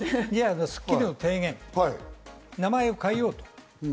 『スッキリ』の提言、名前を変えようと。